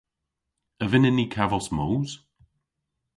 A vynnyn ni kavos moos?